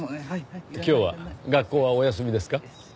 今日は学校はお休みですか？